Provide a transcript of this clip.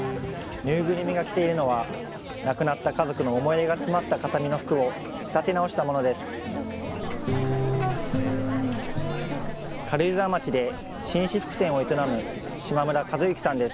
縫いぐるみが着ているのは亡くなった家族の思い出が詰まった形見の服を仕立て直したものです。